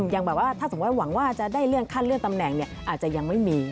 อย่างแบบว่าถ้าสมมุติหวังว่าจะได้เลื่อนขั้นเลื่อนตำแหน่งอาจจะยังไม่มี